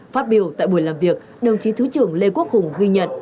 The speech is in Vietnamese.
phát biểu tại buổi làm việc đồng chí thứ trưởng lê quốc hùng ghi nhận